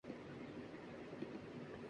بیدادِ عشق سے نہیں ڈرتا، مگر اسد!